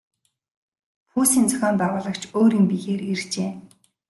Пүүсийн зохион байгуулагч өөрийн биеэр иржээ.